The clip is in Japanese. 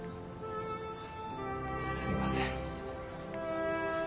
すいません。